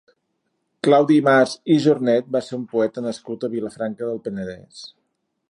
Claudi Mas i Jornet va ser un poeta nascut a Vilafranca del Penedès.